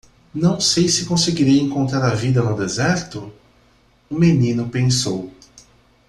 Não sei se conseguirei encontrar a vida no deserto? o menino pensou.